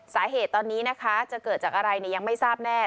สาเหตุตอนนี้นะคะจะเกิดจากอะไรยังไม่ทราบแน่